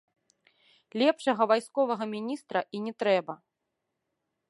Лепшага вайсковага міністра і не трэба.